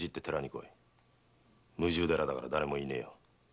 無住寺だから誰もいねえよ。